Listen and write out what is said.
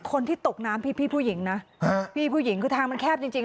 คนที่ตกน้ำพี่ผู้หญิงนะพี่ผู้หญิงคือทางมันแคบจริงจริง